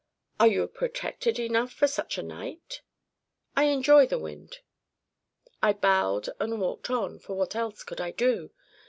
"Are you protected enough for such a night?" "I enjoy the wind." I bowed and walked on; for what else could I do?